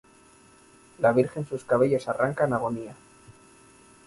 La virgen sus cabellos arranca en agonía